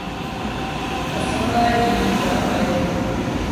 اسآݩٚ لآ ايٚ جآم اهي۔